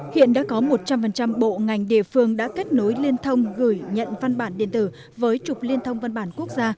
hiện đã có một trăm linh bộ ngành địa phương đã kết nối liên thông gửi nhận văn bản điện tử với trục liên thông văn bản quốc gia